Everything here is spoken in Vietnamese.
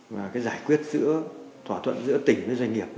và cái giải quyết giữa thỏa thuận giữa tỉnh với doanh nghiệp